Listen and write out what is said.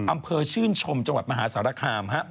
อำเภอชื่นชมจังหวัดมหาสารคาม